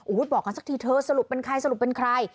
บอกกันสักทีเธอสรุปเป็นใครสรุปเป็นใคร